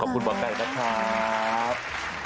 ขอบคุณหมอไก่นะครับ